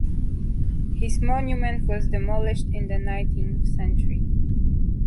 His monument was demolished in the nineteenth century.